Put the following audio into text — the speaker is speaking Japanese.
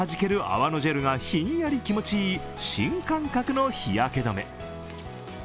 泡のジェルがひんやり気持ちいい新感覚の日焼け止め。